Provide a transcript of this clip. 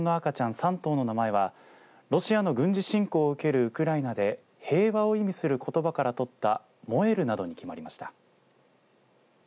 ３頭の名前はロシアの軍事侵攻を受けるウクライナで平和を意味することばからとったモエルなどに決まりました。